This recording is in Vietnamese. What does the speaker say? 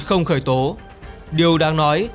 không khởi tố điều đang nói